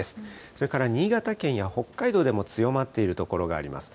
それから新潟県や北海道でも強まっている所があります。